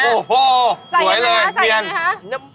โอ้โฮสวยเลยเหมียนใส่อย่างไรครับใส่อย่างไรครับ